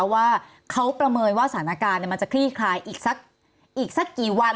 ว่าเขาประเมินว่าสถานการณ์มันจะคลี่คลายอีกสักกี่วัน